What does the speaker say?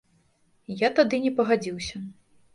Я тады не пагадзіўся.